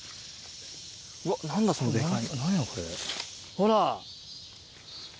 ほら。